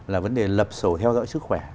là vấn đề lập sổ theo dõi sức khỏe